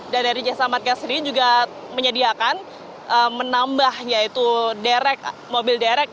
dan dari jasa marga sendiri juga menyediakan menambah yaitu kontrak